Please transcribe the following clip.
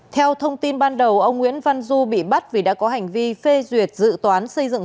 theo thông tin ban đầu ông nguyễn văn du bị bắt vì đã có hành vi phê duyệt dự toán xây dựng